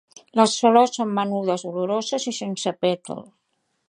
Les flors són menudes, oloroses i sense pètals.